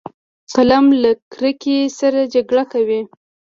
قلم له کرکې سره جګړه کوي